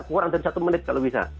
kurang dari satu menit kalau bisa